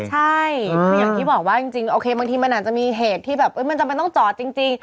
ใช่อย่างที่บอกว่าจริงบางทีมันอาจจะมีเหตุที่แบบมันจะมาต้องจอดจริง